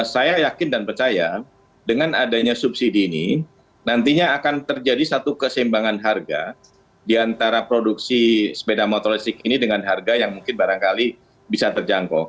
saya yakin dan percaya dengan adanya subsidi ini nantinya akan terjadi satu keseimbangan harga di antara produksi sepeda motor listrik ini dengan harga yang mungkin barangkali bisa terjangkau